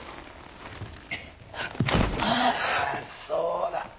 そうだ。